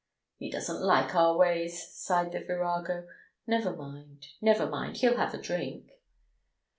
"He doesn't like our ways," sighed the "virago." "Never mind, never mind, he'll have a drink."